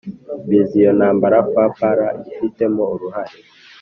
mbi z'iyo ntambara fpr ifitemo uruhare.